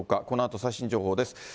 このあと最新情報です。